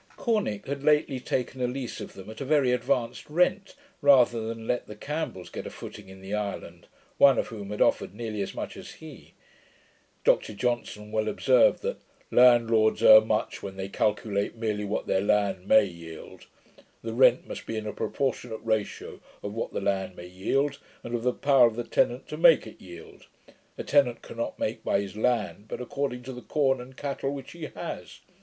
Corneck had lately taken a lease of them at a very advanced rent, rather than let the Campbells get a footing in the island, one of whom had offered nearly as much as he. Dr Johnson well observed, that, 'landlords err much when they calculate merely what their land MAY yield. The rent must be in a proportionate ratio of what the land may yield, and of the power of the tenant to make it yield. A tenant cannot make by his land, but according to the corn and cattle which he has.